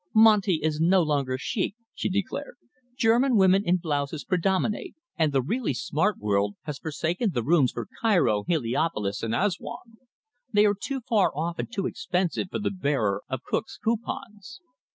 "Monte is no longer chic," she declared. "German women in blouses predominate; and the really smart world has forsaken the Rooms for Cairo, Heliopolis, and Assuan. They are too far off and too expensive for the bearer of Cook's coupons."